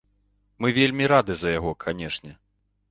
Мы вельмі рады за яго, канечне.